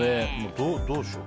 どうしよう。